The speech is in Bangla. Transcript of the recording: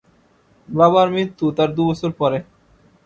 বাবার মৃত্যু তার দু বছর পরে।